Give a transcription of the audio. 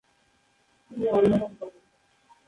তিনি অন্ন দান করেন।